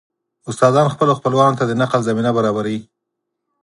استادان خپلو خپلوانو ته د نقل زمينه برابروي